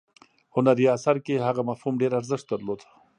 هنري اثر کې هغه مفهوم ډیر ارزښت درلود.